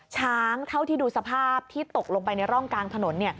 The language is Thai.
เท่าที่ดูสภาพที่ตกลงไปในร่องกลางถนน